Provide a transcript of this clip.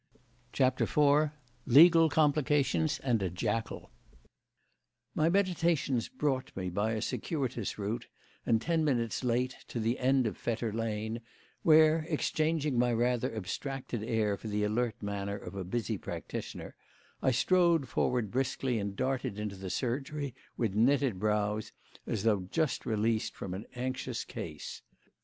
CHAPTER IV LEGAL COMPLICATIONS AND A JACKAL My meditations brought me by a circuitous route, and ten minutes late, to the end of Fetter Lane, where, exchanging my rather abstracted air for the alert manner of a busy practitioner, I strode forward briskly and darted into the surgery with knitted brows, as though just released from an anxious case.